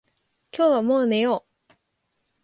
今日はもう寝よう。